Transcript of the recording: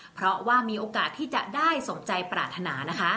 เพราะว่ามีโอกาสที่จะได้สมใจปรารถนานะคะ